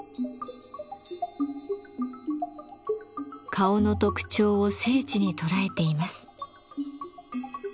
顔の特徴を精緻に捉えています。